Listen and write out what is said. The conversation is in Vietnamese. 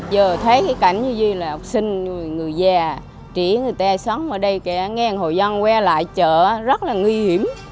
giờ thấy cái cảnh như vậy là học sinh người già trí người ta sống ở đây nghe hồ dân quay lại chợ rất là nguy hiểm